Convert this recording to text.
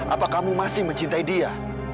apa kamu masih mencintai dia